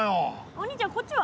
お兄ちゃんこっちは？